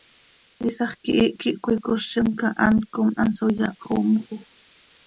Iisax quihiih quih cöicozim cah hant com hanso yahxoomjoj.